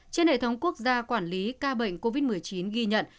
trên hệ thống quốc gia quản lý ca bệnh covid một mươi chín ghi nhận chín tám trăm tám mươi chín